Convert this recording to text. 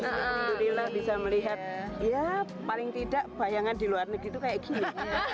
alhamdulillah bisa melihat ya paling tidak bayangan di luar negeri itu kayak gini